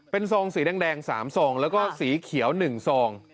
เป็นซองสีแดง๓ซองแล้วก็สีเขียว๑ซอง